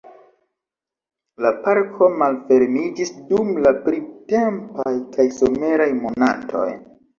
La parko malfermiĝis dum la printempaj kaj someraj monatoj.